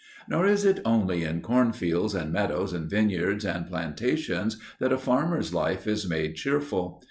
Nor is it only in cornfields and meadows and vineyards and plantations that a farmer's life is made cheerful.